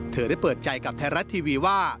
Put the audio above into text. เธอได้เปิดใจกับไทยรัฐทีวีว่า